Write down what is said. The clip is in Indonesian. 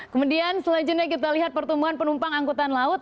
kemudian selanjutnya kita lihat pertumbuhan penumpang angkutan laut